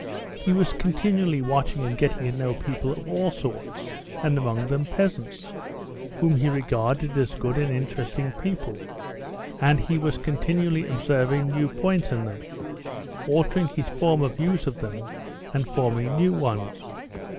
He was continually watching and getting to know people of all sorts, and among them peasants, whom he regarded as good and interesting people, and he was continually observing new points in them, altering his former views of them and forming new ones.